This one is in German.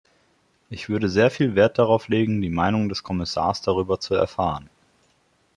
Ich würde sehr viel Wert darauf legen, die Meinung des Kommissars darüber zu erfahren.